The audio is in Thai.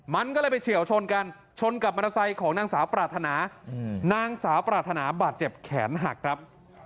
มันก็เลยไปเฉียวชนกันชนกับมอเตอร์ไซค์ของนางสาวปรารถนานางสาวปรารถนาบาดเจ็บแขนหักครับ